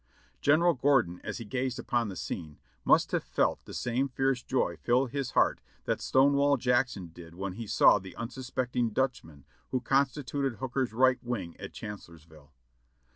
General Gordon, as he gazed upon the scene, must have felt the same fierce joy fill his heart that Stonewall Jackson did when he saw the unsuspecting Dutchmen who constituted Hooker's right wing at Chancellorsville.